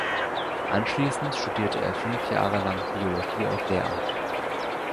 Anschließend studierte er fünf Jahre lang Biologie auf Lehramt.